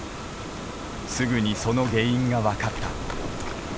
すぐにその原因が分かった。